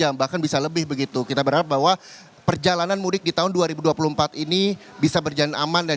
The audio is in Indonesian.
misalnya gini adalah kegiatan